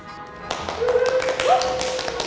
ขอบคุณครับ